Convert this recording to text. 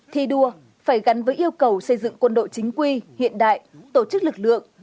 thi đua phải gắn với yêu cầu xây dựng quân đội chính quy hiện đại tổ chức lực lượng